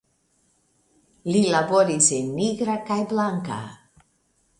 Li laboris en nigra kaj blanka.